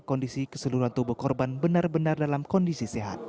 kondisi keseluruhan tubuh korban benar benar dalam kondisi sehat